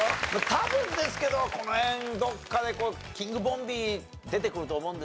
多分ですけどこの辺どっかでキングボンビー出てくると思うんですよ。